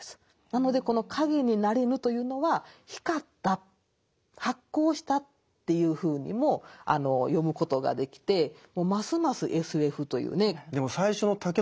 なのでこの「影になりぬ」というのは光った発光したというふうにも読むことができてますますＳＦというね。